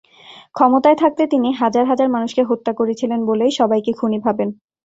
ক্ষমতায় থাকতে তিনি হাজার হাজার মানুষকে হত্যা করেছিলেন বলেই সবাইকে খুনি ভাবেন।